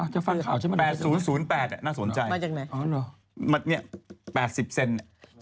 จะฟังข่าวใช่มั้ย๘๐๘น่าสนใจมันเนี่ย๘๐เซ็นต์